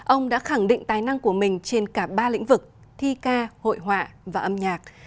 ông đã khẳng định tài năng của mình trên cả ba lĩnh vực thi ca hội họa và âm nhạc